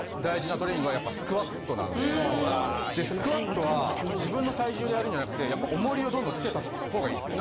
でスクワットは自分の体重でやるんじゃなくて重りをどんどん付けた方がいいんですね。